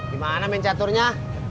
di mana mencaturnya